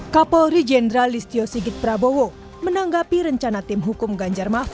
kapolri jenderal listio sigit prabowo menanggapi rencana tim hukum ganjar mahfud